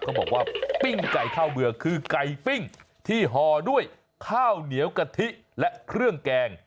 บอกว่าปิ้งไก่ข้าวเบื่อคือไก่ปิ้งที่ห่อด้วยข้าวเหนียวกะทิและเครื่องแกง